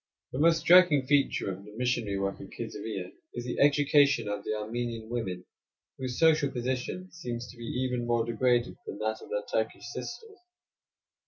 The most striking feature of the missionary work at Kaisarieh is the education of the Armenian women, whose social position seems to be even more degraded than that of their Turkish sisters.